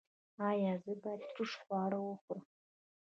ایا زه باید ترش خواړه وخورم؟